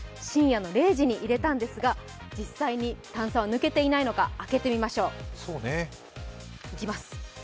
深夜の０時に入れたんですが、実際に炭酸は抜けていないのか開けてみましょう。